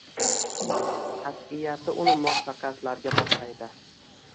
Qatʼiyati uni muvaffaqiyatlarga boshlaydi.